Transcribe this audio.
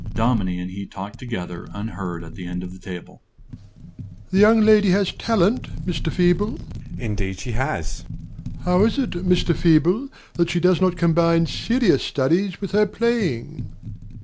Dominie and he talked together, unheard, at the end of the table. DOMINIE. The young lady has talent, Mr. Feeble. MR. FEEBLE. Indeed she has! DOMINIE. How is it, Mr. Feeble, that she does not combine serious studies with her playing?